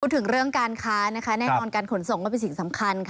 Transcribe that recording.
พูดถึงเรื่องการค้าแน่นอนการขนส่งก็เป็นสิ่งสำคัญ